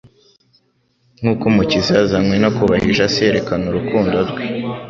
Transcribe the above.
Nk'uko Umukiza yazanywe no kubahisha Se yerekana umktmdo rwe,